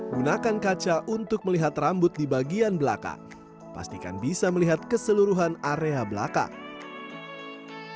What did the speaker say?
gunakan kaca untuk melihat rambut di bagian belakang pastikan bisa melihat keseluruhan area belakang